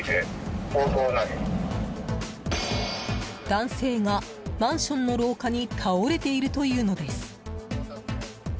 男性がマンションの廊下に倒れているというのです。